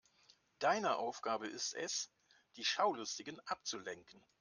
Deine Aufgabe ist es, die Schaulustigen abzulenken.